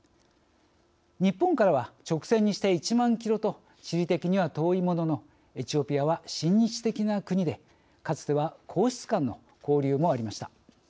日本からは直線にして１万キロと地理的には遠いもののエチオピアは親日的な国でかつては皇室間の交流もありました。